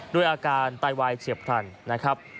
ด้วยอาการไตวายเฉียบพลันนะครับ